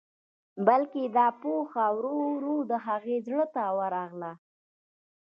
بلکې دا پوهه ورو ورو د هغه زړه ته ورغله.